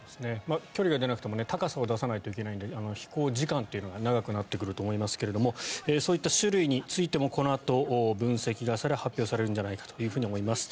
距離が出なくても高さを出さないといけないので飛行時間というのが長くなってくると思いますがそういった種類についてもこのあと分析がされ発表されるんじゃないかと思います。